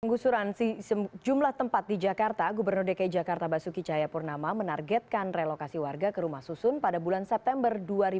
penggusuran jumlah tempat di jakarta gubernur dki jakarta basuki cahaya purnama menargetkan relokasi warga ke rumah susun pada bulan september dua ribu enam belas